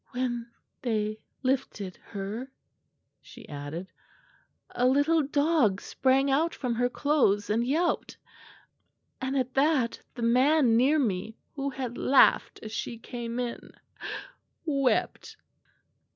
"When they lifted her," she added, "a little dog sprang out from her clothes and yelped. And at that the man near me, who had laughed as she came in, wept."